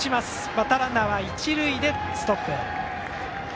バッターランナーは１塁でストップ。